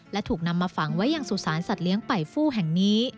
และถูกนำมาฝังไว้ยังสุสานสัตว์ป่ายฟู่แห่งนี้